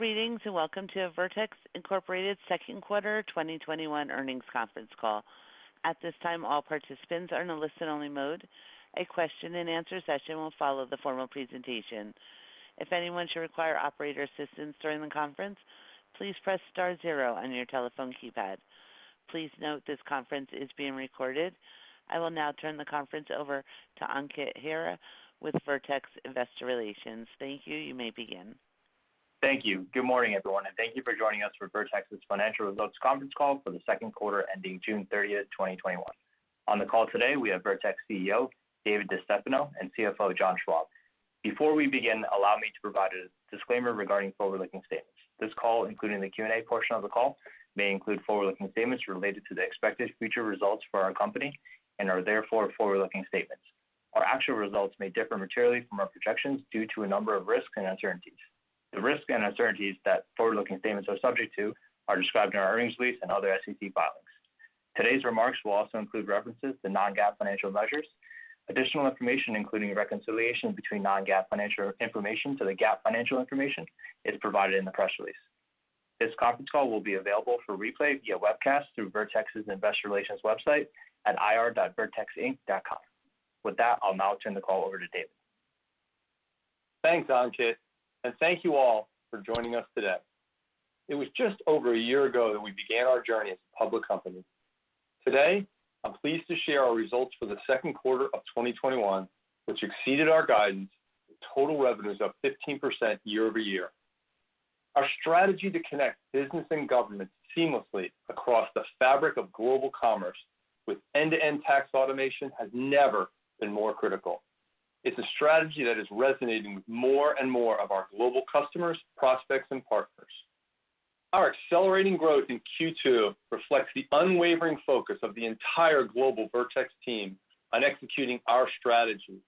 Greetings, welcome to the Vertex, Inc. second quarter 2021 earnings conference call. At this time, all participants are in a listen-only mode. A question and answer session will follow the formal presentation. If anyone should require operator assistance during the conference, please press star zero on your telephone keypad. Please note this conference is being recorded. I will now turn the conference over to Ankit Hira with Vertex Investor Relations. Thank you. You may begin. Thank you. Good morning, everyone, and thank you for joining us for Vertex's financial results conference call for the second quarter ending June 30th, 2021. On the call today, we have Vertex CEO, David DeStefano, and CFO, John Schwab. Before we begin, allow me to provide a disclaimer regarding forward-looking statements. This call, including the Q&A portion of the call, may include forward-looking statements related to the expected future results for our company and are therefore forward-looking statements. Our actual results may differ materially from our projections due to a number of risks and uncertainties. The risks and uncertainties that forward-looking statements are subject to are described in our earnings release and other SEC filings. Today's remarks will also include references to non-GAAP financial measures. Additional information, including a reconciliation between non-GAAP financial information to the GAAP financial information, is provided in the press release. This conference call will be available for replay via webcast through Vertex's Investor Relations website at ir.vertexinc.com. With that, I'll now turn the call over to David. Thanks, Ankit. Thank you all for joining us today. It was just over one year ago that we began our journey as a public company. Today, I'm pleased to share our results for the second quarter of 2021, which exceeded our guidance with total revenues up 15% year-over-year. Our strategy to connect business and government seamlessly across the fabric of global commerce with end-to-end tax automation has never been more critical. It's a strategy that is resonating with more and more of our global customers, prospects, and partners. Our accelerating growth in Q2 reflects the unwavering focus of the entire global Vertex team on executing our strategy.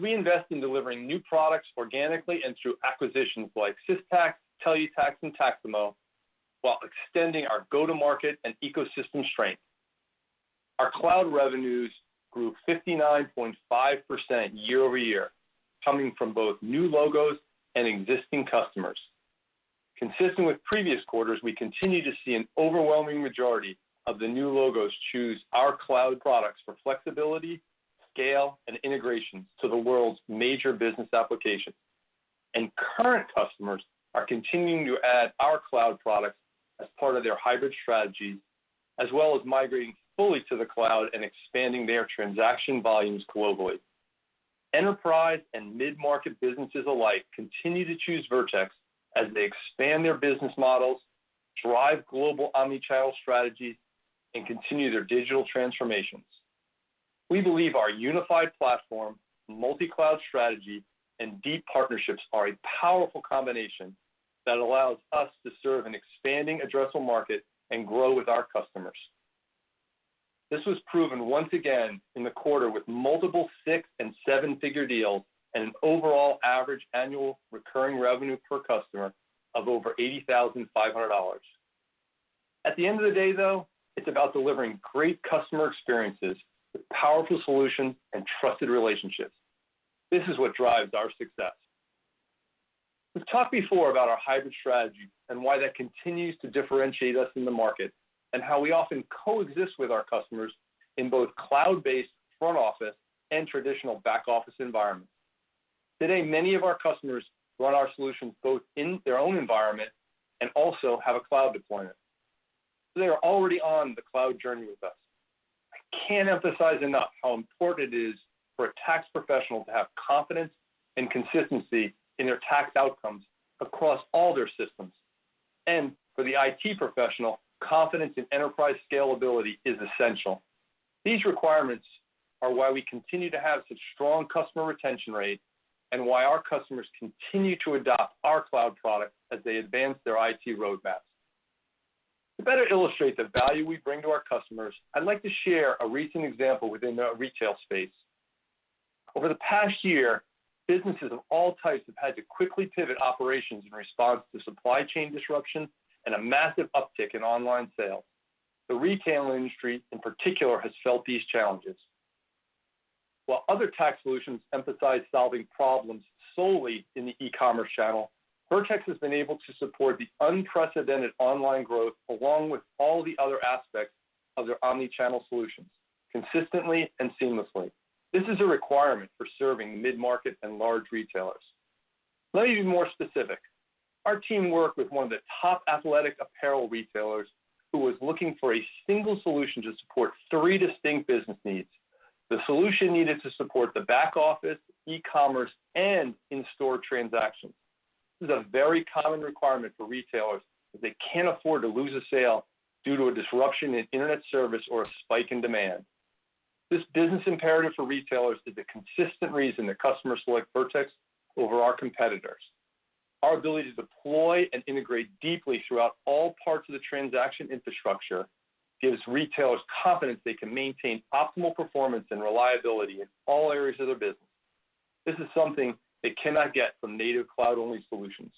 We invest in delivering new products organically and through acquisitions like Systax, Tellutax, and Taxamo, while extending our go-to-market and ecosystem strength. Our cloud revenues grew 59.5% year-over-year, coming from both new logos and existing customers. Consistent with previous quarters, we continue to see an overwhelming majority of the new logos choose our cloud products for flexibility, scale, and integration to the world's major business applications. Current customers are continuing to add our cloud products as part of their hybrid strategy, as well as migrating fully to the cloud and expanding their transaction volumes globally. Enterprise and mid-market businesses alike continue to choose Vertex as they expand their business models, drive global omnichannel strategies, and continue their digital transformations. We believe our unified platform, multi-cloud strategy, and deep partnerships are a powerful combination that allows us to serve an expanding addressable market and grow with our customers. This was proven once again in the quarter with multiple six and seven-figure deals and an overall average annual recurring revenue per customer of over $80,500. At the end of the day, though, it's about delivering great customer experiences with powerful solutions and trusted relationships. This is what drives our success. We've talked before about our hybrid strategy and why that continues to differentiate us in the market, and how we often coexist with our customers in both cloud-based front office and traditional back-office environments. Today, many of our customers run our solutions both in their own environment and also have a cloud deployment. They are already on the cloud journey with us. I can't emphasize enough how important it is for a tax professional to have confidence and consistency in their tax outcomes across all their systems. For the IT professional, confidence in enterprise scalability is essential. These requirements are why we continue to have such strong customer retention rates and why our customers continue to adopt our cloud products as they advance their IT roadmaps. To better illustrate the value we bring to our customers, I'd like to share a recent example within the retail space. Over the past year, businesses of all types have had to quickly pivot operations in response to supply chain disruptions and a massive uptick in online sales. The retail industry in particular has felt these challenges. While other tax solutions emphasize solving problems solely in the e-commerce channel, Vertex has been able to support the unprecedented online growth along with all the other aspects of their omnichannel solutions consistently and seamlessly. This is a requirement for serving mid-market and large retailers. Let me be more specific. Our team worked with one of the top athletic apparel retailers who was looking for a single solution to support three distinct business needs. The solution needed to support the back office, e-commerce, and in-store transactions. This is a very common requirement for retailers, as they can't afford to lose a sale due to a disruption in internet service or a spike in demand. This business imperative for retailers is a consistent reason their customers select Vertex over our competitors. Our ability to deploy and integrate deeply throughout all parts of the transaction infrastructure gives retailers confidence they can maintain optimal performance and reliability in all areas of their business. This is something they cannot get from native cloud-only solutions.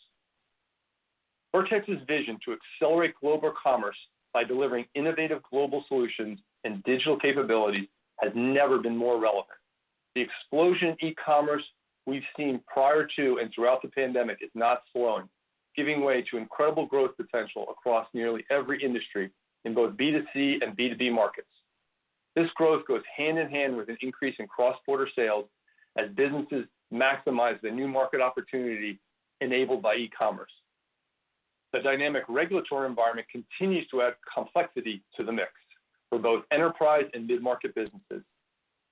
Vertex's vision to accelerate global commerce by delivering innovative global solutions and digital capability has never been more relevant. The explosion in e-commerce we've seen prior to and throughout the pandemic is not slowing, giving way to incredible growth potential across nearly every industry in both B2C and B2B markets. This growth goes hand-in-hand with an increase in cross-border sales as businesses maximize the new market opportunity enabled by e-commerce. The dynamic regulatory environment continues to add complexity to the mix for both enterprise and mid-market businesses.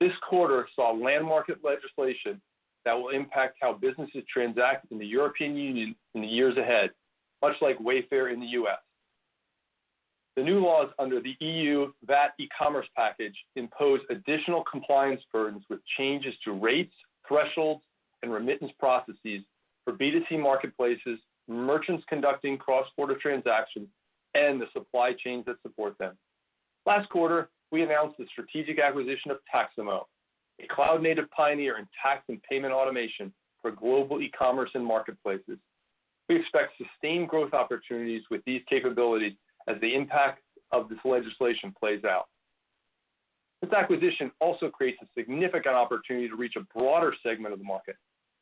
This quarter saw landmark legislation that will impact how businesses transact in the European Union in the years ahead, much like Wayfair in the U.S. The new laws under the EU VAT e-commerce package impose additional compliance burdens with changes to rates, thresholds, and remittance processes for B2C marketplaces, merchants conducting cross-border transactions, and the supply chains that support them. Last quarter, we announced the strategic acquisition of Taxamo, a cloud-native pioneer in tax and payment automation for global e-commerce and marketplaces. We expect sustained growth opportunities with these capabilities as the impact of this legislation plays out. This acquisition also creates a significant opportunity to reach a broader segment of the market.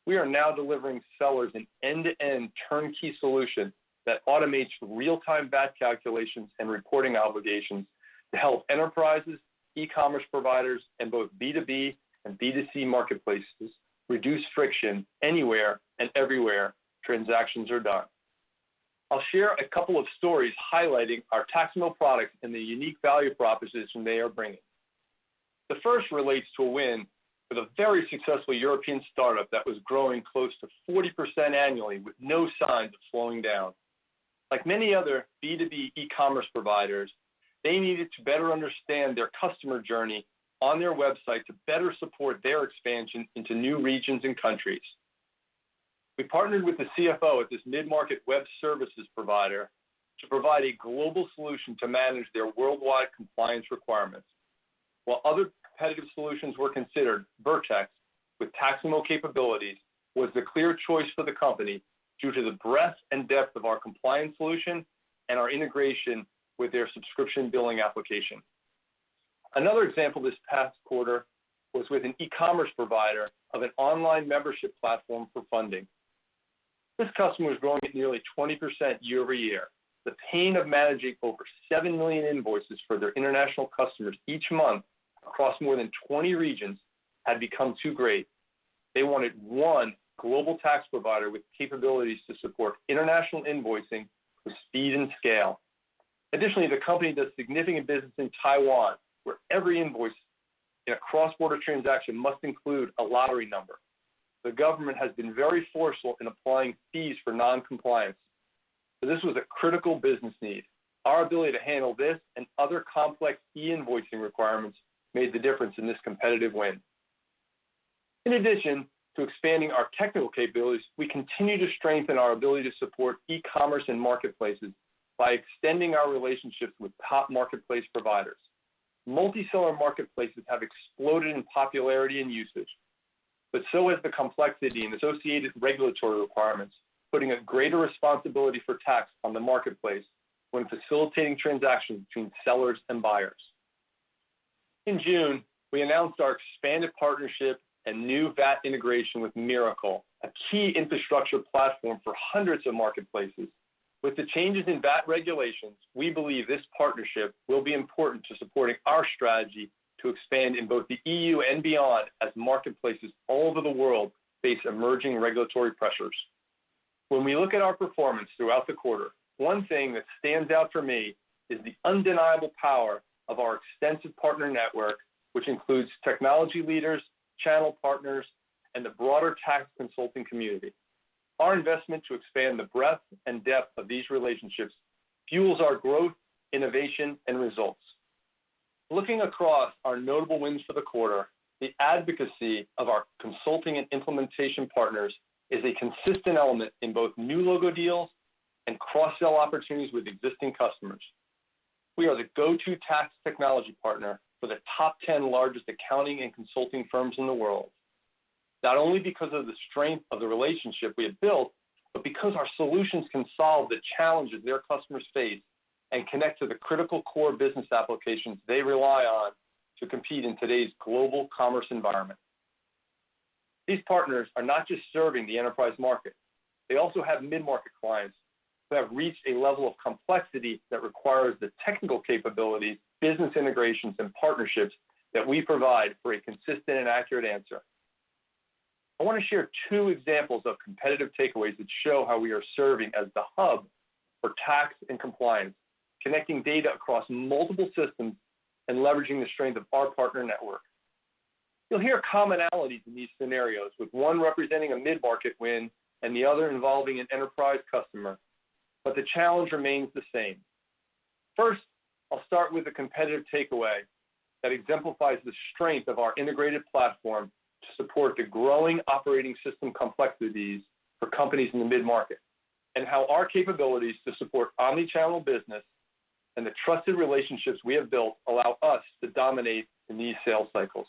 We are now delivering sellers an end-to-end turnkey solution that automates real-time VAT calculations and reporting obligations to help enterprises, e-commerce providers, and both B2B and B2C marketplaces reduce friction anywhere and everywhere transactions are done. I'll share a couple of stories highlighting our Taxamo product and the unique value proposition they are bringing. The first relates to a win with a very successful European startup that was growing close to 40% annually with no signs of slowing down. Like many other B2B e-commerce providers, they needed to better understand their customer journey on their website to better support their expansion into new regions and countries. We partnered with the CFO at this mid-market web services provider to provide a global solution to manage their worldwide compliance requirements. While other competitive solutions were considered, Vertex, with Taxamo capabilities, was the clear choice for the company due to the breadth and depth of our compliance solution and our integration with their subscription billing application. Another example this past quarter was with an e-commerce provider of an online membership platform for funding. This customer was growing at nearly 20% year-over-year. The pain of managing over 7 million invoices for their international customers each month across more than 20 regions had become too great. They wanted one global tax provider with capabilities to support international invoicing with speed and scale. Additionally, the company does significant business in Taiwan, where every invoice in a cross-border transaction must include a lottery number. The government has been very forceful in applying fees for non-compliance. This was a critical business need. Our ability to handle this and other complex e-invoicing requirements made the difference in this competitive win. In addition to expanding our technical capabilities, we continue to strengthen our ability to support e-commerce and marketplaces by extending our relationships with top marketplace providers. Multi-seller marketplaces have exploded in popularity and usage, but so has the complexity and associated regulatory requirements, putting a greater responsibility for tax on the marketplace when facilitating transactions between sellers and buyers. In June, we announced our expanded partnership and new VAT integration with Mirakl, a key infrastructure platform for hundreds of marketplaces. With the changes in VAT regulations, we believe this partnership will be important to supporting our strategy to expand in both the EU and beyond as marketplaces all over the world face emerging regulatory pressures. When we look at our performance throughout the quarter, one thing that stands out for me is the undeniable power of our extensive partner network, which includes technology leaders, channel partners, and the broader tax consulting community. Our investment to expand the breadth and depth of these relationships fuels our growth, innovation, and results. Looking across our notable wins for the quarter, the advocacy of our consulting and implementation partners is a consistent element in both new logo deals and cross-sell opportunities with existing customers. We are the go-to tax technology partner for the top 10 largest accounting and consulting firms in the world, not only because of the strength of the relationship we have built, but because our solutions can solve the challenges their customers face and connect to the critical core business applications they rely on to compete in today's global commerce environment. These partners are not just serving the enterprise market. They also have mid-market clients that have reached a level of complexity that requires the technical capabilities, business integrations, and partnerships that we provide for a consistent and accurate answer. I want to share two examples of competitive takeaways that show how we are serving as the hub for tax and compliance, connecting data across multiple systems and leveraging the strength of our partner network. You'll hear commonalities in these scenarios, with one representing a mid-market win and the other involving an enterprise customer, but the challenge remains the same. First, I'll start with a competitive takeaway that exemplifies the strength of our integrated platform to support the growing operating system complexities for companies in the mid-market, and how our capabilities to support omnichannel business and the trusted relationships we have built allow us to dominate in these sales cycles.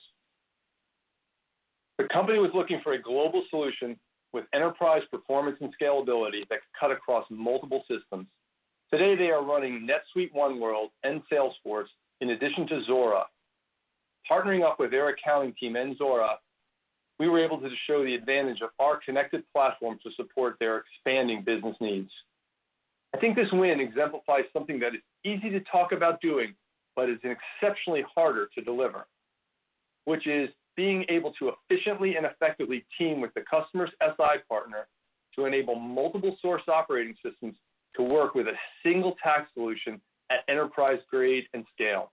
The company was looking for a global solution with enterprise performance and scalability that could cut across multiple systems. Today, they are running NetSuite OneWorld and Salesforce in addition to Zuora. Partnering up with their accounting team and Zuora, we were able to show the advantage of our connected platform to support their expanding business needs. I think this win exemplifies something that is easy to talk about doing, but is exceptionally harder to deliver, which is being able to efficiently and effectively team with the customer's SI partner to enable multiple source operating systems to work with a single tax solution at enterprise grade and scale.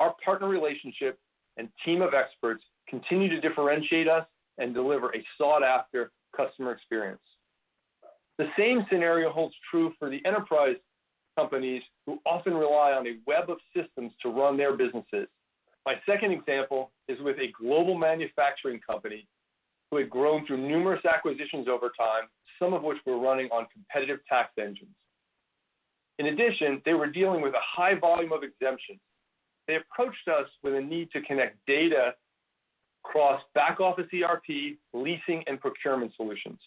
Our partner relationship and team of experts continue to differentiate us and deliver a sought-after customer experience. The same scenario holds true for the enterprise companies who often rely on a web of systems to run their businesses. My second example is with a global manufacturing company who had grown through numerous acquisitions over time, some of which were running on competitive tax engines. In addition, they were dealing with a high volume of exemptions. They approached us with a need to connect data across back office ERP, leasing, and procurement solutions.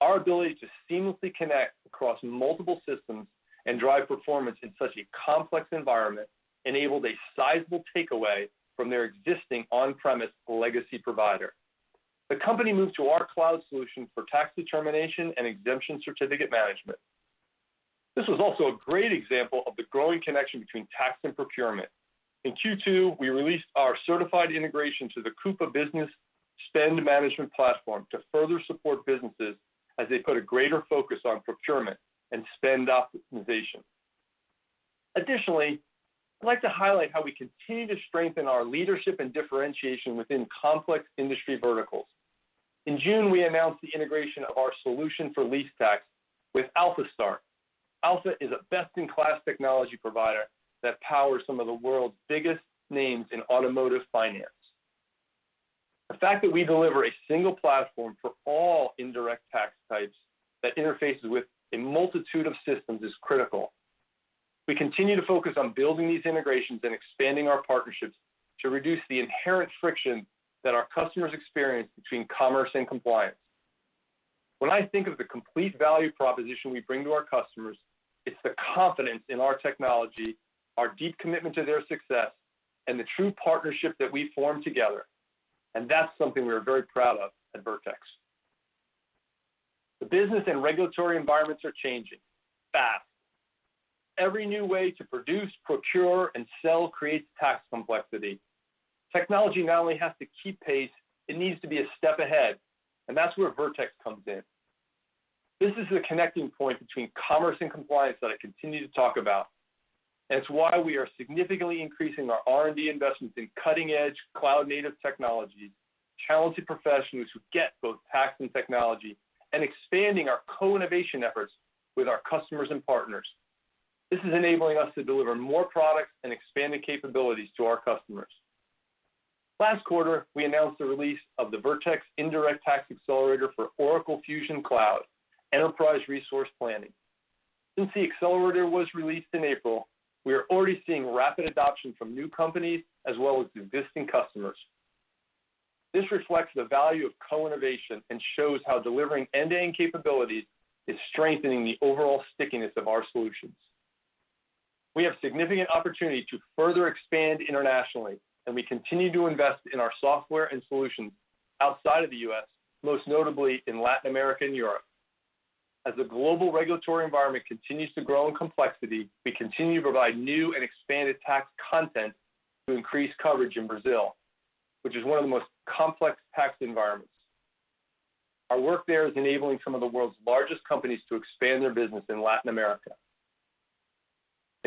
Our ability to seamlessly connect across multiple systems and drive performance in such a complex environment enabled a sizable takeaway from their existing on-premise legacy provider. The company moved to our cloud solution for tax determination and exemption certificate management. This was also a great example of the growing connection between tax and procurement. In Q2, we released our certified integration to the Coupa business spend management platform to further support businesses as they put a greater focus on procurement and spend optimization. Additionally, I'd like to highlight how we continue to strengthen our leadership and differentiation within complex industry verticals. In June, we announced the integration of our solution for lease tax with Alfa Start. Alfa is a best-in-class technology provider that powers some of the world's biggest names in automotive finance. The fact that we deliver a single platform for all indirect tax types that interfaces with a multitude of systems is critical. We continue to focus on building these integrations and expanding our partnerships to reduce the inherent friction that our customers experience between commerce and compliance. When I think of the complete value proposition we bring to our customers, it's the confidence in our technology, our deep commitment to their success, and the true partnership that we form together, and that's something we are very proud of at Vertex. The business and regulatory environments are changing, fast. Every new way to produce, procure, and sell creates tax complexity. Technology not only has to keep pace, it needs to be a step ahead, and that's where Vertex comes in. This is the connecting point between commerce and compliance that I continue to talk about. It's why we are significantly increasing our R&D investments in cutting-edge cloud-native technology, talented professionals who get both tax and technology, and expanding our co-innovation efforts with our customers and partners. This is enabling us to deliver more products and expanded capabilities to our customers. Last quarter, we announced the release of the Vertex indirect tax accelerator for Oracle Fusion Cloud Enterprise Resource Planning. Since the accelerator was released in April, we are already seeing rapid adoption from new companies as well as existing customers. This reflects the value of co-innovation and shows how delivering end-to-end capabilities is strengthening the overall stickiness of our solutions. We have significant opportunity to further expand internationally. We continue to invest in our software and solutions outside of the U.S., most notably in Latin America and Europe. As the global regulatory environment continues to grow in complexity, we continue to provide new and expanded tax content to increase coverage in Brazil, which is one of the most complex tax environments. Our work there is enabling some of the world's largest companies to expand their business in Latin America.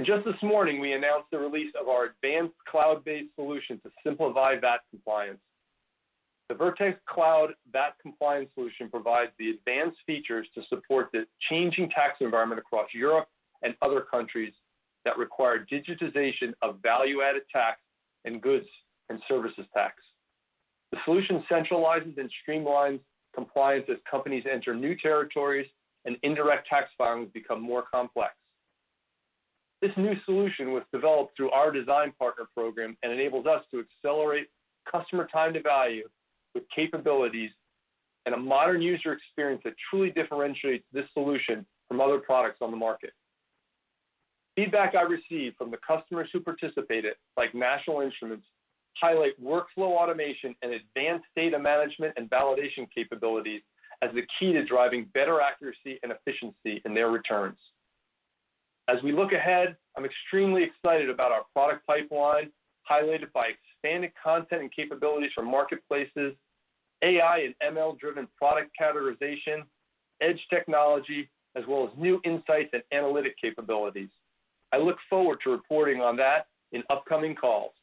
Just this morning, we announced the release of our advanced cloud-based solution to simplify VAT compliance. The Vertex Cloud VAT Compliance solution provides the advanced features to support the changing tax environment across Europe and other countries that require digitization of value-added tax and goods and services tax. The solution centralizes and streamlines compliance as companies enter new territories and indirect tax filings become more complex. This new solution was developed through our design partner program and enables us to accelerate customer time to value with capabilities and a modern user experience that truly differentiates this solution from other products on the market. Feedback I received from the customers who participated, like National Instruments, highlight workflow automation and advanced data management and validation capabilities as the key to driving better accuracy and efficiency in their returns. As we look ahead, I'm extremely excited about our product pipeline, highlighted by expanded content and capabilities from marketplaces, AI and ML-driven product categorization, edge technology, as well as new insights and analytic capabilities. I look forward to reporting on that in upcoming calls.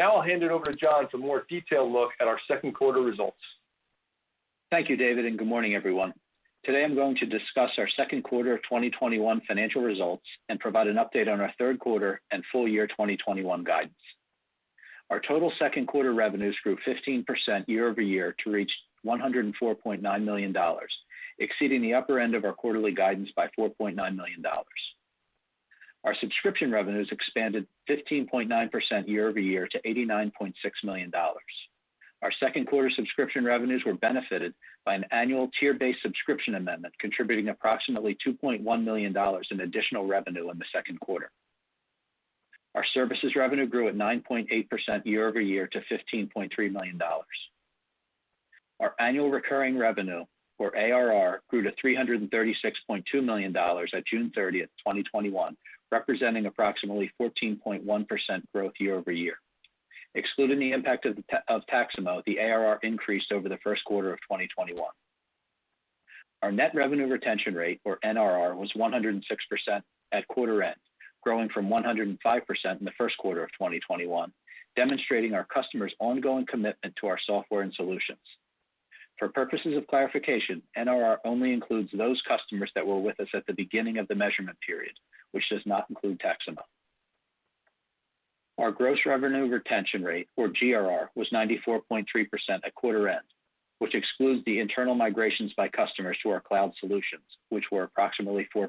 I'll hand it over to John for a more detailed look at our second quarter results. Thank you, David. Good morning, everyone. Today, I'm going to discuss our second quarter of 2021 financial results and provide an update on our third quarter and full-year 2021 guidance. Our total second quarter revenues grew 15% year-over-year to reach $104.9 million, exceeding the upper end of our quarterly guidance by $4.9 million. Our subscription revenues expanded 15.9% year-over-year to $89.6 million. Our second quarter subscription revenues were benefited by an annual tier-based subscription amendment, contributing approximately $2.1 million in additional revenue in the second quarter. Our services revenue grew at 9.8% year-over-year to $15.3 million. Our annual recurring revenue, or ARR, grew to $336.2 million at June 30th, 2021, representing approximately 14.1% growth year-over-year. Excluding the impact of Taxamo, the ARR increased over the first quarter of 2021. Our net revenue retention rate, or NRR, was 106% at quarter end, growing from 105% in the first quarter of 2021, demonstrating our customers' ongoing commitment to our software and solutions. For purposes of clarification, NRR only includes those customers that were with us at the beginning of the measurement period, which does not include Taxamo. Our gross revenue retention rate, or GRR, was 94.3% at quarter end, which excludes the internal migrations by customers to our cloud solutions, which were approximately 4%.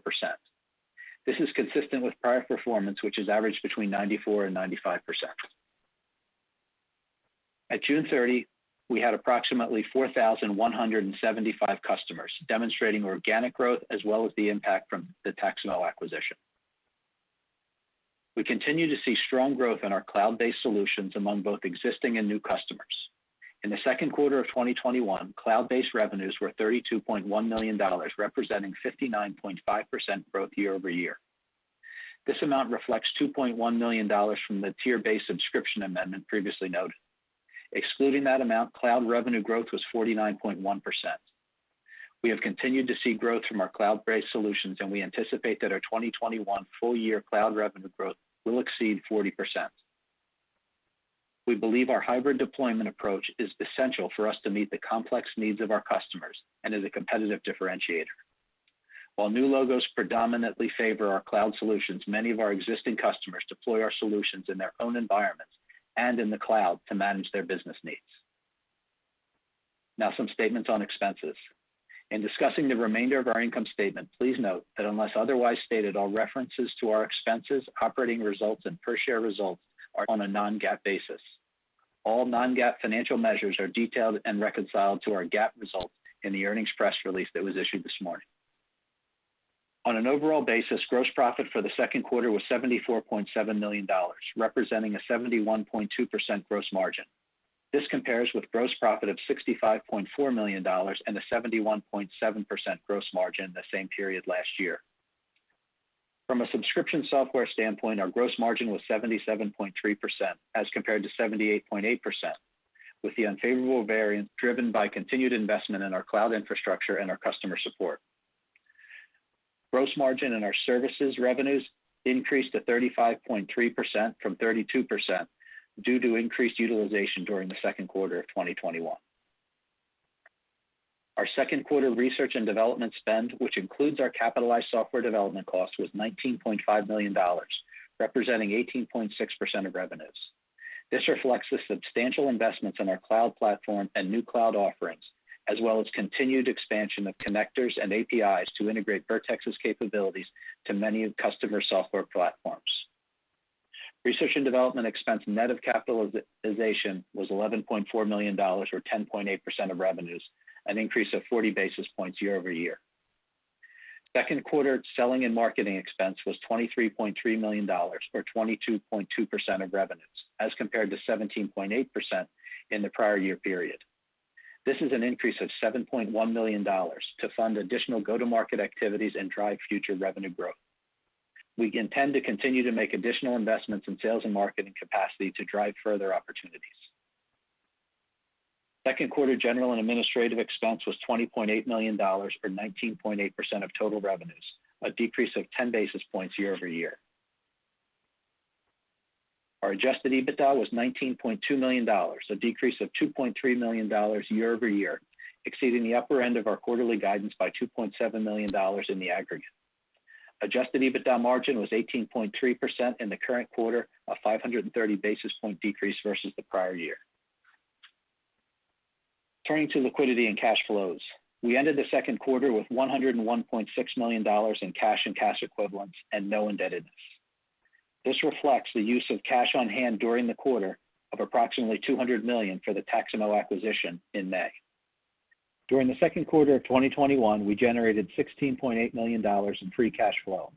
This is consistent with prior performance, which has averaged between 94% and 95%. At June 30, we had approximately 4,175 customers, demonstrating organic growth as well as the impact from the Taxamo acquisition. We continue to see strong growth in our cloud-based solutions among both existing and new customers. In the second quarter of 2021, cloud-based revenues were $32.1 million, representing 59.5% growth year-over-year. This amount reflects $2.1 million from the tier-based subscription amendment previously noted. Excluding that amount, cloud revenue growth was 49.1%. We have continued to see growth from our cloud-based solutions, and we anticipate that our 2021 full-year cloud revenue growth will exceed 40%. We believe our hybrid deployment approach is essential for us to meet the complex needs of our customers and is a competitive differentiator. While new logos predominantly favor our cloud solutions, many of our existing customers deploy our solutions in their own environments and in the cloud to manage their business needs. Now some statements on expenses. In discussing the remainder of our income statement, please note that unless otherwise stated, all references to our expenses, operating results, and per share results are on a non-GAAP basis. All non-GAAP financial measures are detailed and reconciled to our GAAP results in the earnings press release that was issued this morning. On an overall basis, gross profit for the second quarter was $74.7 million, representing a 71.2% gross margin. This compares with gross profit of $65.4 million and a 71.7% gross margin in the same period last year. From a subscription software standpoint, our gross margin was 77.3% as compared to 78.8%, with the unfavorable variance driven by continued investment in our cloud infrastructure and our customer support. Gross margin in our services revenues increased to 35.3% from 32% due to increased utilization during the second quarter of 2021. Our second quarter research and development spend, which includes our capitalized software development cost, was $19.5 million, representing 18.6% of revenues. This reflects the substantial investments in our cloud platform and new cloud offerings, as well as continued expansion of connectors and APIs to integrate Vertex's capabilities to many customer software platforms. Research and development expense net of capitalization was $11.4 million or 10.8% of revenues, an increase of 40 basis points year-over-year. Second quarter selling and marketing expense was $23.3 million or 22.2% of revenues as compared to 17.8% in the prior year period. This is an increase of $7.1 million to fund additional go-to-market activities and drive future revenue growth. We intend to continue to make additional investments in sales and marketing capacity to drive further opportunities. Second quarter general and administrative expense was $20.8 million or 19.8% of total revenues, a decrease of 10 basis points year-over-year. Our adjusted EBITDA was $19.2 million, a decrease of $2.3 million year-over-year, exceeding the upper end of our quarterly guidance by $2.7 million in the aggregate. Adjusted EBITDA margin was 18.3% in the current quarter, a 530 basis points decrease versus the prior year. Turning to liquidity and cash flows. We ended the second quarter with $101.6 million in cash and cash equivalents and no indebtedness. This reflects the use of cash on hand during the quarter of approximately $200 million for the Taxamo acquisition in May. During the second quarter of 2021, we generated $16.8 million in free cash flow.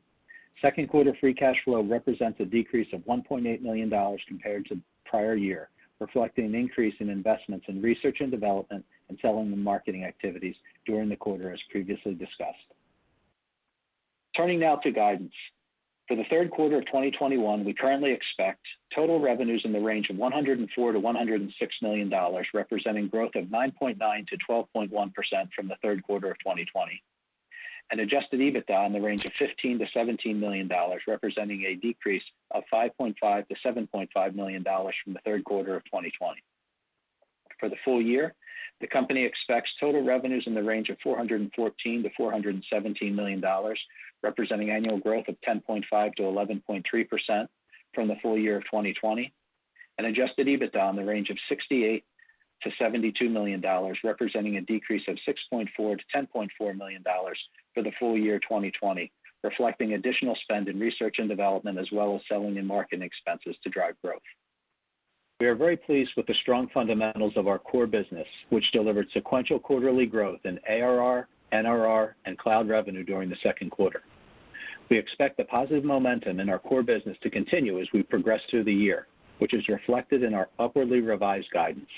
Second quarter free cash flow represents a decrease of $1.8 million compared to prior year, reflecting an increase in investments in research and development and selling and marketing activities during the quarter as previously discussed. Turning now to guidance. For the third quarter of 2021, we currently expect total revenues in the range of $104 million-$106 million, representing growth of 9.9%-12.1% from the third quarter of 2020, and adjusted EBITDA in the range of $15 million-$17 million, representing a decrease of $5.5 million-$7.5 million from the third quarter of 2020. For the full-year, the company expects total revenues in the range of $414 million-$417 million, representing annual growth of 10.5%-11.3% from the full-year of 2020. Adjusted EBITDA in the range of $68 million-$72 million, representing a decrease of $6.4 million-$10.4 million for the full-year 2020, reflecting additional spend in research and development, as well as selling and marketing expenses to drive growth. We are very pleased with the strong fundamentals of our core business, which delivered sequential quarterly growth in ARR, NRR, and cloud revenue during the second quarter. We expect the positive momentum in our core business to continue as we progress through the year, which is reflected in our upwardly revised guidance.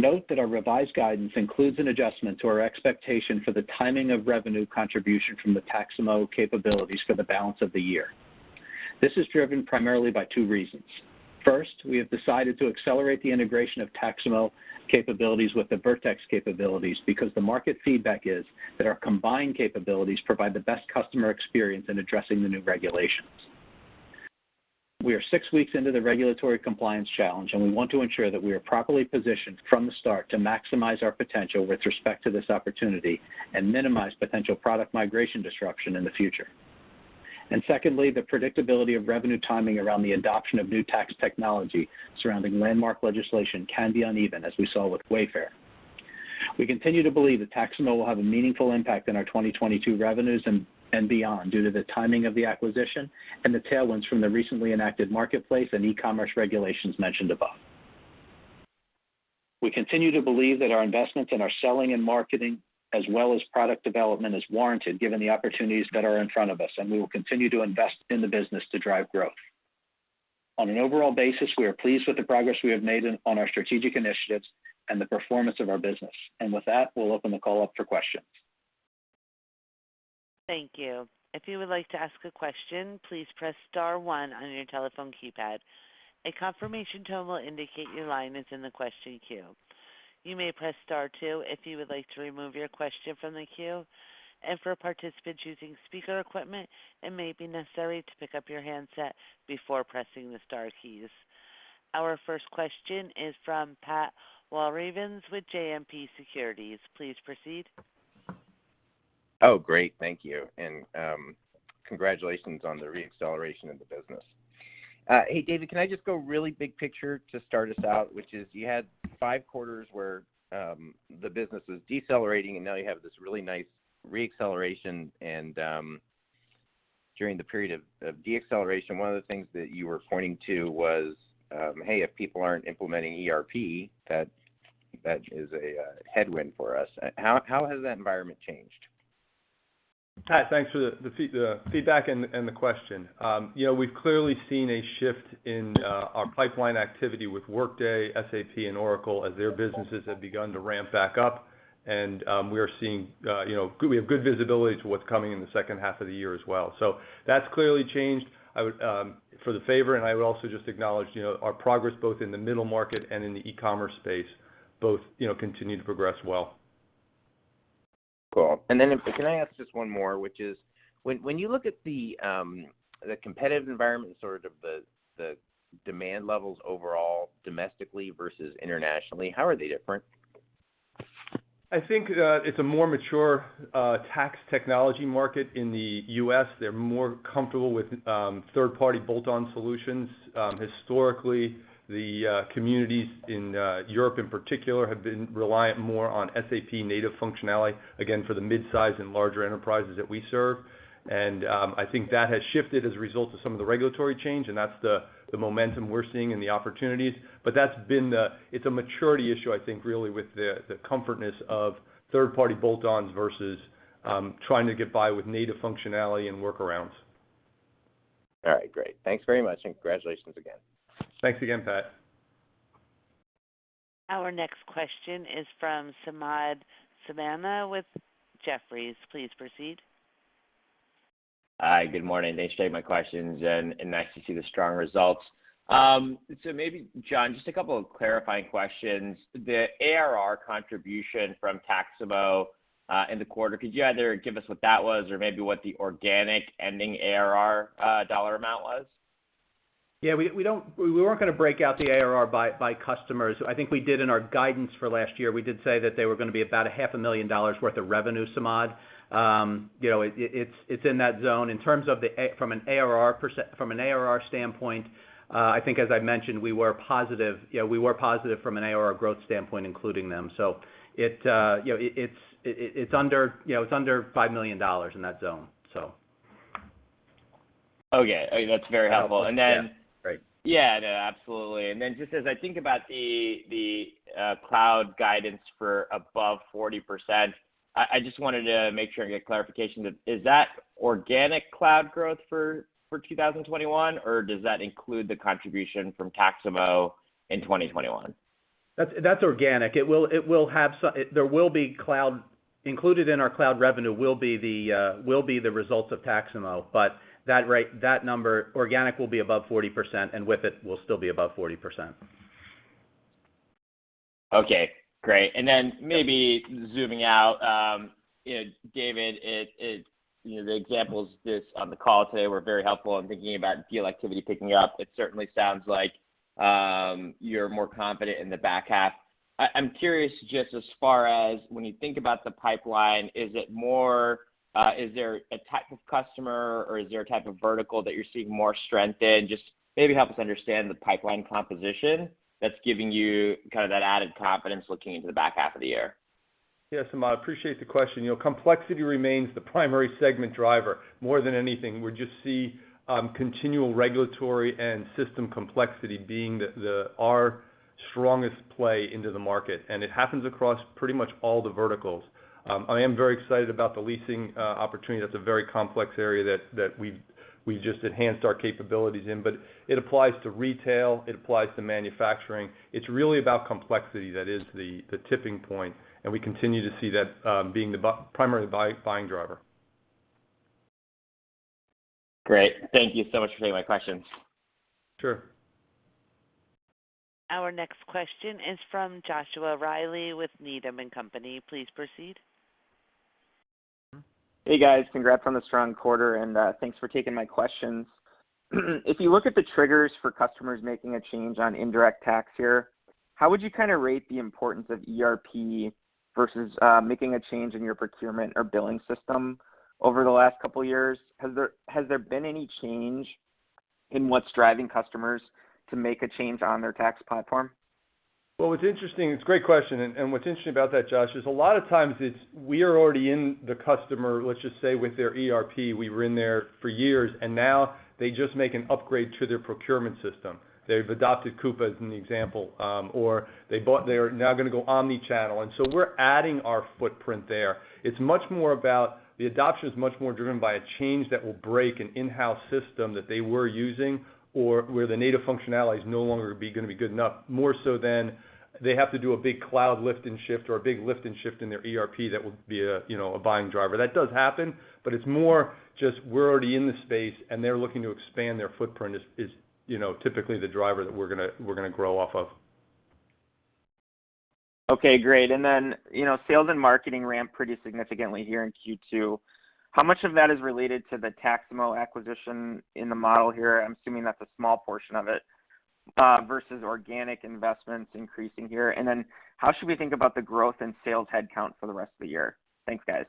Note that our revised guidance includes an adjustment to our expectation for the timing of revenue contribution from the Taxamo capabilities for the balance of the year. This is driven primarily by two reasons. First, we have decided to accelerate the integration of Taxamo capabilities with the Vertex capabilities because the market feedback is that our combined capabilities provide the best customer experience in addressing the new regulations. We are six weeks into the regulatory compliance challenge. We want to ensure that we are properly positioned from the start to maximize our potential with respect to this opportunity and minimize potential product migration disruption in the future. Secondly, the predictability of revenue timing around the adoption of new tax technology surrounding landmark legislation can be uneven, as we saw with Wayfair. We continue to believe that Taxamo will have a meaningful impact on our 2022 revenues and beyond due to the timing of the acquisition and the tailwinds from the recently enacted marketplace and e-commerce regulations mentioned above. We continue to believe that our investments in our selling and marketing, as well as product development, is warranted given the opportunities that are in front of us. We will continue to invest in the business to drive growth. On an overall basis, we are pleased with the progress we have made on our strategic initiatives and the performance of our business. With that, we'll open the call up for questions. Our first question is from Pat Walravens with JMP Securities. Please proceed. Great. Thank you. Congratulations on the re-acceleration of the business. Hey, David, can I just go really big picture to start us out, which is you had five quarters where the business was decelerating. Now you have this really nice re-acceleration. During the period of deacceleration, one of the things that you were pointing to was, "Hey, if people aren't implementing ERP, that is a headwind for us." How has that environment changed? Pat, thanks for the feedback and the question. You know, we've clearly seen a shift in our pipeline activity with Workday, SAP, and Oracle as their businesses have begun to ramp back up. We are seeing, you know, we have good visibility to what's coming in the second half of the year as well. That's clearly changed. I would for the favor, and I would also just acknowledge, you know, our progress both in the middle market and in the e-commerce space both, you know, continue to progress well. Cool. Can I ask just one more, which is when you look at the competitive environment and sort of the demand levels overall domestically versus internationally, how are they different? I think, it's a more mature tax technology market in the U.S. They're more comfortable with third-party bolt-on solutions. Historically, the communities in Europe in particular have been reliant more on SAP native functionality, again, for the midsize and larger enterprises that we serve. I think that has shifted as a result of some of the regulatory change, and that's the momentum we're seeing and the opportunities. That's been the It's a maturity issue, I think, really, with the comfortness of third-party bolt-ons versus trying to get by with native functionality and workarounds. All right. Great. Thanks very much, and congratulations again. Thanks again, Pat. Our next question is from Samad Samana with Jefferies. Please proceed. Hi. Good morning. Thanks for taking my questions, and nice to see the strong results. Maybe, John, just a couple of clarifying questions. The ARR contribution from Taxamo in the quarter, could you either give us what that was or maybe what the organic ending ARR dollar amount was? Yeah, we weren't gonna break out the ARR by customers. I think we did in our guidance for last year. We did say that they were gonna be about a half a million dollars worth of revenue, Samad. You know, it's in that zone. In terms of from an ARR standpoint, I think as I mentioned, we were positive. You know, we were positive from an ARR growth standpoint, including them. It's under, you know, it's under $5 million, in that zone. Okay. Oh, yeah, that's very helpful. Yeah. And then- Great. No, absolutely. Just as I think about the cloud guidance for above 40%, I just wanted to make sure I get clarification. Is that organic cloud growth for 2021, or does that include the contribution from Taxamo in 2021? That's organic. It will have there will be cloud. Included in our cloud revenue will be the results of Taxamo, that number, organic will be above 40%, with it will still be above 40%. Okay, great. Then maybe zooming out, you know, David, you know, the examples on the call today were very helpful in thinking about deal activity picking up. It certainly sounds like you're more confident in the back half. I'm curious just as far as when you think about the pipeline, is there a type of customer or is there a type of vertical that you're seeing more strength in? Just maybe help us understand the pipeline composition that's giving you that added confidence looking into the back half of the year. Yes, I appreciate the question. Complexity remains the primary segment driver more than anything. We just see continual regulatory and system complexity being our strongest play into the market. It happens across pretty much all the verticals. I am very excited about the leasing opportunity. That's a very complex area that we just enhanced our capabilities in. It applies to retail, it applies to manufacturing. It's really about complexity that is the tipping point. We continue to see that being the primary buying driver. Great. Thank you so much for taking my questions. Sure. Our next question is from Joshua Reilly with Needham & Company. Please proceed. Hey, guys. Congrats on the strong quarter, and thanks for taking my questions. If you look at the triggers for customers making a change on indirect tax here, how would you rate the importance of ERP versus making a change in your procurement or billing system over the last couple of years? Has there been any change in what's driving customers to make a change on their tax platform? Well, it's a great question, and what's interesting about that, Josh, is a lot of times we are already in the customer, let's just say, with their ERP. We were in there for years. Now they just make an upgrade to their procurement system. They've adopted Coupa as an example, or they're now going to go omni-channel. We're adding our footprint there. The adoption is much more driven by a change that will break an in-house system that they were using, or where the native functionality is no longer going to be good enough, more so than they have to do a big cloud lift and shift or a big lift and shift in their ERP that will be a buying driver. That does happen, but it's more just we're already in the space and they're looking to expand their footprint is typically the driver that we're going to grow off of. Okay, great. Then sales and marketing ramp pretty significantly here in Q2. How much of that is related to the Taxamo acquisition in the model here? I'm assuming that's a small portion of it versus organic investments increasing here. Then how should we think about the growth in sales headcount for the rest of the year? Thanks, guys.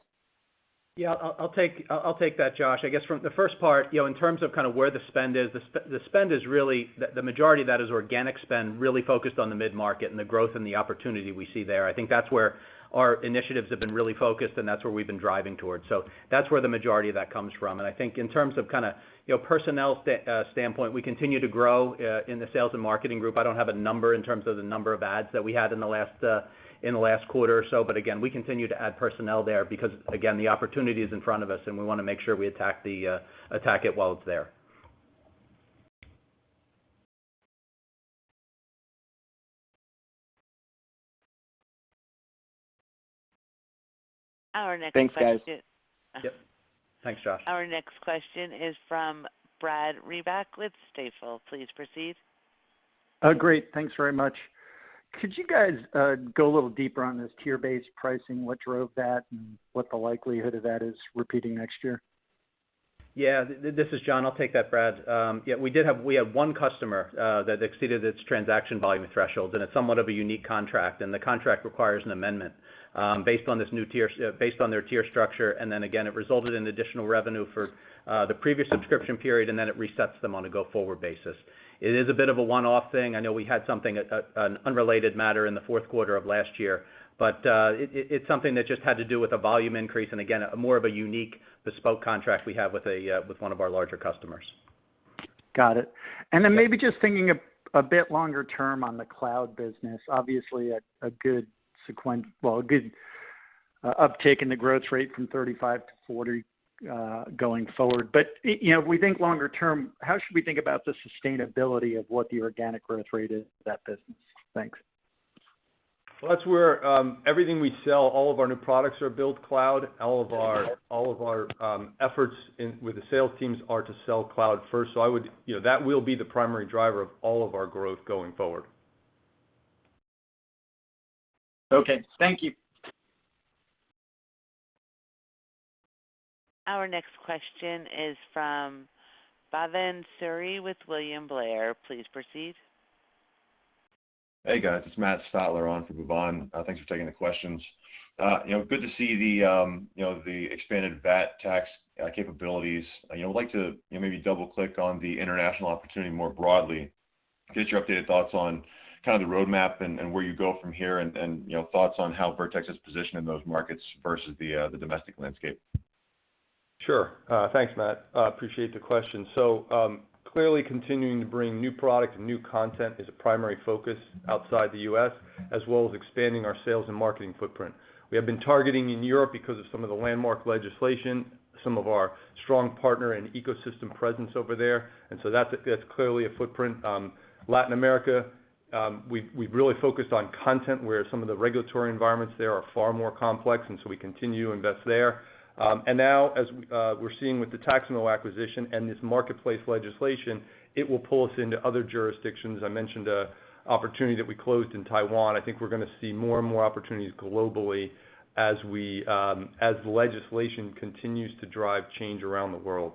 Yeah, I'll take that, Josh. I guess from the first part, in terms of where the spend is, the majority of that is organic spend really focused on the mid-market and the growth and the opportunity we see there. I think that's where our initiatives have been really focused, and that's where we've been driving towards. That's where the majority of that comes from. I think in terms of personnel standpoint, we continue to grow in the sales and marketing group. I don't have a number in terms of the number of ads that we had in the last quarter or so, but again, we continue to add personnel there because, again, the opportunity is in front of us, and we want to make sure we attack it while it's there. Thanks, guys. Yep. Thanks, Josh. Our next question is from Brad Reback with Stifel. Please proceed. Great. Thanks very much. Could you guys go a little deeper on this tier-based pricing? What drove that and what the likelihood of that is repeating next year? This is John. I'll take that, Brad. We have one customer that exceeded its transaction volume threshold. It's somewhat of a unique contract. The contract requires an amendment based on their tier structure. Again, it resulted in additional revenue for the previous subscription period. It resets them on a go-forward basis. It is a bit of a one-off thing. I know we had something, an unrelated matter in the fourth quarter of last year. It's something that just had to do with a volume increase and again, more of a unique bespoke contract we have with one of our larger customers. Got it. Maybe just thinking a bit longer term on the cloud business, obviously a good uptick in the growth rate from 35%-40% going forward. We think longer term, how should we think about the sustainability of what the organic growth rate is for that business? Thanks. That's where everything we sell, all of our new products are built cloud. All of our efforts with the sales teams are to sell cloud-first. That will be the primary driver of all of our growth going forward. Okay. Thank you. Our next question is from Bhavan Suri with William Blair. Please proceed. Hey, guys. It's Matt Stotler on for Bhavan. Thanks for taking the questions. Good to see the expanded VAT tax capabilities. I would like to maybe double-click on the international opportunity more broadly, get your updated thoughts on kind of the roadmap and where you go from here and thoughts on how Vertex is positioned in those markets versus the domestic landscape. Sure. Thanks, Matt. Appreciate the question. Clearly continuing to bring new product and new content is a primary focus outside the U.S., as well as expanding our sales and marketing footprint. We have been targeting in Europe because of some of the landmark legislation, some of our strong partner and ecosystem presence over there, that's clearly a footprint. Latin America, we've really focused on content where some of the regulatory environments there are far more complex, we continue to invest there. Now, as we're seeing with the Taxamo acquisition and this marketplace legislation, it will pull us into other jurisdictions. I mentioned an opportunity that we closed in Taiwan. I think we're going to see more and more opportunities globally as legislation continues to drive change around the world.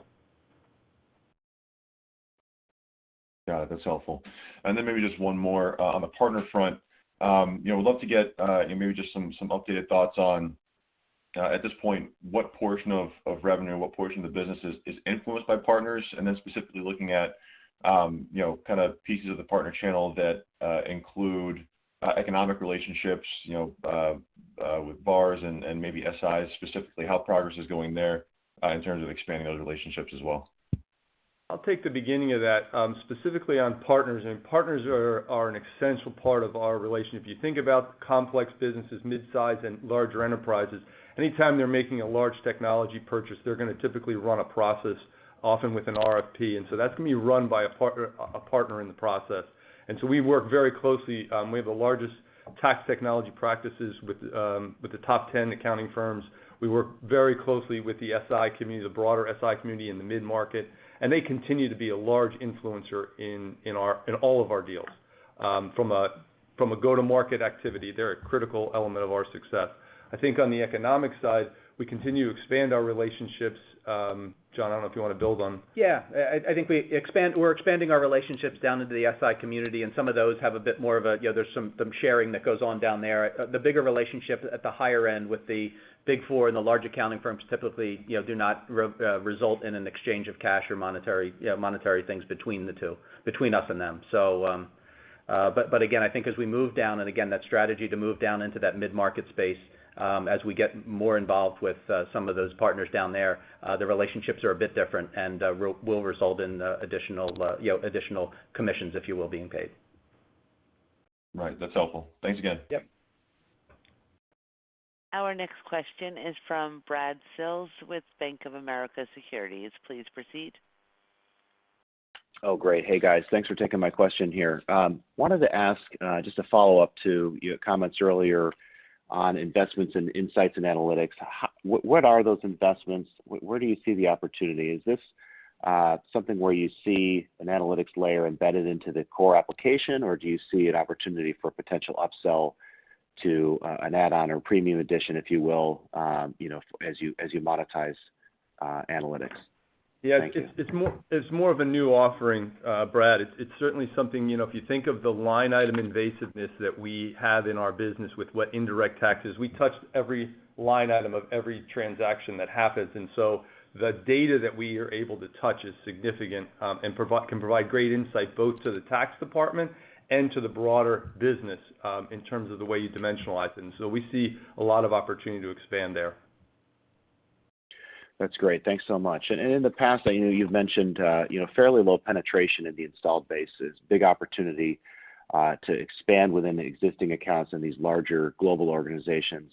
Yeah, that's helpful. Maybe just one more on the partner front. Would love to get maybe just some updated thoughts on, at this point, what portion of revenue, what portion of the business is influenced by partners? Specifically looking at pieces of the partner channel that include economic relationships with VARs and maybe SIs specifically, how progress is going there in terms of expanding those relationships as well. I'll take the beginning of that. Specifically on partners are an essential part of our relation. If you think about complex businesses, mid-size and larger enterprises, anytime they're making a large technology purchase, they're going to typically run a process, often with an RFP. That's going to be run by a partner in the process. We work very closely. We have the largest tax technology practices with the top 10 accounting firms. We work very closely with the SI community, the broader SI community in the mid-market, and they continue to be a large influencer in all of our deals. From a go-to-market activity, they're a critical element of our success. I think on the economic side, we continue to expand our relationships. John, I don't know if you want to build on. I think we're expanding our relationships down into the SI community. There's some sharing that goes on down there. The bigger relationship at the higher end with the big four and the large accounting firms typically do not result in an exchange of cash or monetary things between the two, between us and them. Again, I think as we move down, again, that strategy to move down into that mid-market space, as we get more involved with some of those partners down there, the relationships are a bit different, and will result in additional commissions, if you will, being paid. Right. That's helpful. Thanks again. Yep. Our next question is from Brad Sills with Bank of America Securities. Please proceed. Oh, great. Hey, guys. Thanks for taking my question here. I wanted to ask, just a follow-up to your comments earlier on investments in insights and analytics. What are those investments? Where do you see the opportunity? Is this something where you see an analytics layer embedded into the core application, or do you see an opportunity for potential upsell to an add-on or premium edition, if you will, as you monetize analytics? Thank you. Yeah. It's more of a new offering, Brad. It's certainly something, if you think of the line item invasiveness that we have in our business with what indirect taxes, we touch every line item of every transaction that happens. The data that we are able to touch is significant, and can provide great insight both to the tax department and to the broader business, in terms of the way you dimensionalize things. We see a lot of opportunity to expand there. That's great. Thanks so much. In the past, I know you've mentioned fairly low penetration in the installed base is big opportunity to expand within the existing accounts in these larger global organizations.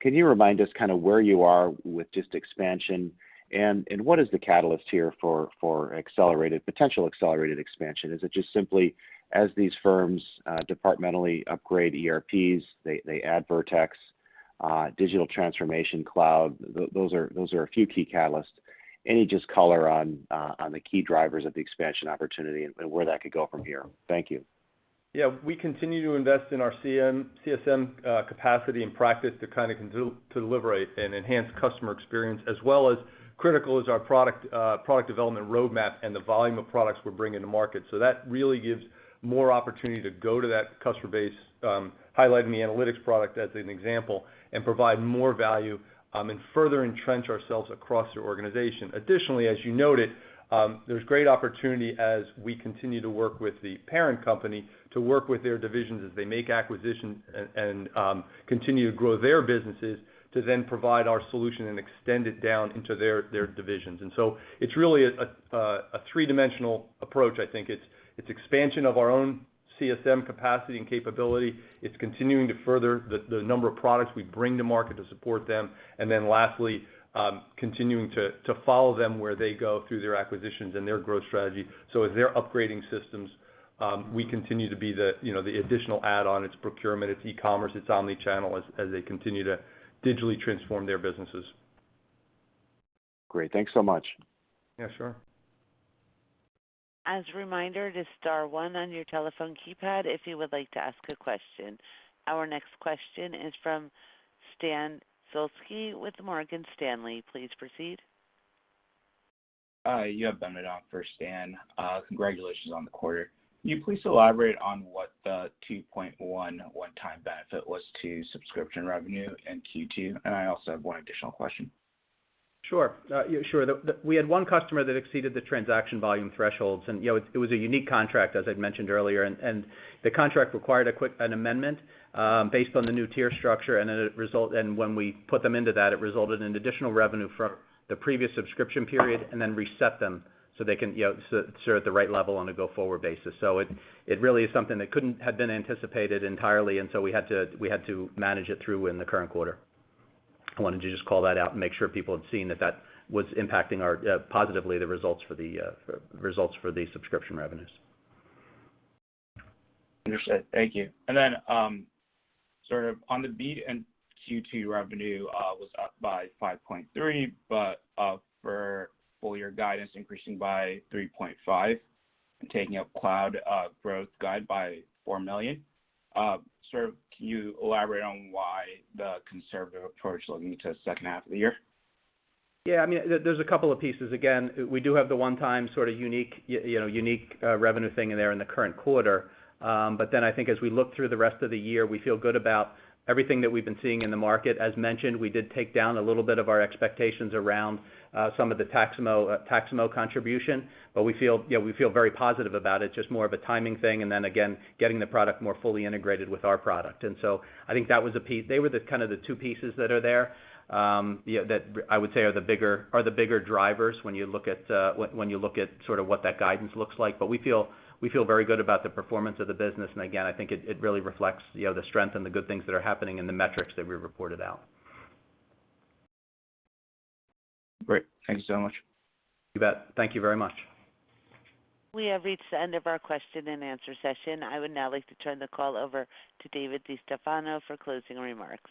Can you remind us where you are with just expansion, and what is the catalyst here for potential accelerated expansion? Is it just simply as these firms departmentally upgrade ERPs, they add Vertex, digital transformation cloud, those are a few key catalysts. Any just color on the key drivers of the expansion opportunity and where that could go from here? Thank you. Yeah. We continue to invest in our CSM capacity and practice to deliver an enhanced customer experience, as well as critical is our product development roadmap and the volume of products we're bringing to market. That really gives more opportunity to go to that customer base, highlighting the analytics product as an example, and provide more value, and further entrench ourselves across their organization. Additionally, as you noted, there's great opportunity as we continue to work with the parent company to work with their divisions as they make acquisitions and continue to grow their businesses to then provide our solution and extend it down into their divisions. It's really a three-dimensional approach, I think. It's expansion of our own CSM capacity and capability. It's continuing to further the number of products we bring to market to support them. Lastly, continuing to follow them where they go through their acquisitions and their growth strategy. As they're upgrading systems, we continue to be the additional add-on. It's procurement, it's e-commerce, it's omni-channel as they continue to digitally transform their businesses. Great. Thanks so much. Yeah, sure. As a reminder, it is star one on your telephone keypad if you would like to ask a question. Our next question is from Stan Zlotsky with Morgan Stanley. Please proceed. You have Benedek for Stan. Congratulations on the quarter. Can you please elaborate on what the $2.1 one-time benefit was to subscription revenue in Q2? I also have one additional question. Sure. We had one customer that exceeded the transaction volume thresholds, and it was a unique contract, as I'd mentioned earlier. The contract required an amendment based on the new tier structure, and when we put them into that, it resulted in additional revenue from the previous subscription period, and then reset them so they can sit at the right level on a go-forward basis. It really is something that couldn't have been anticipated entirely, and so we had to manage it through in the current quarter. I wanted to just call that out and make sure people had seen that that was impacting positively the results for the subscription revenues. Understood. Thank you. Then, on the beat in Q2, revenue was up by 5.3%, but up for full-year guidance increasing by 3.5%. Taking up cloud growth guide by $4 million. Sir, can you elaborate on why the conservative approach looking to second half of the year? Yeah, there's a couple of pieces. Again, we do have the one-time sort of unique revenue thing in there in the current quarter. I think as we look through the rest of the year, we feel good about everything that we've been seeing in the market. As mentioned, we did take down a little bit of our expectations around some of the Taxamo contribution, but we feel very positive about it, just more of a timing thing, and then again, getting the product more fully integrated with our product. I think they were the two pieces that are there, that I would say are the bigger drivers when you look at sort of what that guidance looks like. We feel very good about the performance of the business. Again, I think it really reflects the strength and the good things that are happening in the metrics that we reported out. Great. Thank you so much. You bet. Thank you very much. We have reached the end of our question and answer session. I would now like to turn the call over to David DeStefano for closing remarks.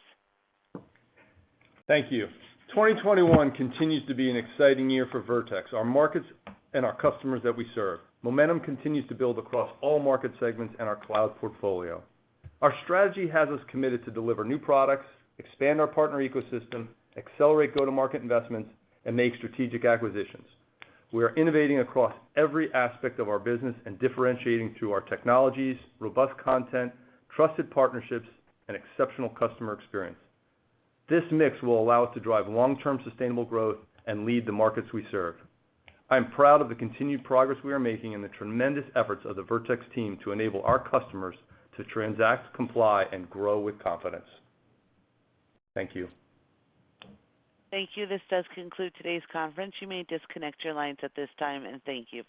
Thank you. 2021 continues to be an exciting year for Vertex, our markets, and our customers that we serve. Momentum continues to build across all market segments and our cloud portfolio. Our strategy has us committed to deliver new products, expand our partner ecosystem, accelerate go-to-market investments, and make strategic acquisitions. We are innovating across every aspect of our business and differentiating through our technologies, robust content, trusted partnerships, and exceptional customer experience. This mix will allow us to drive long-term sustainable growth and lead the markets we serve. I am proud of the continued progress we are making and the tremendous efforts of the Vertex team to enable our customers to transact, comply, and grow with confidence. Thank you. Thank you. This does conclude today's conference. You may disconnect your lines at this time, and thank you for your patience.